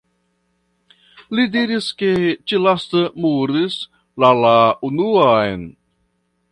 Li diris ke ĉi-lasta murdis la la unuan.